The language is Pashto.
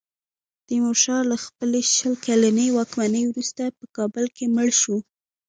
تیمورشاه له خپلې شل کلنې واکمنۍ وروسته په کابل کې مړ شو.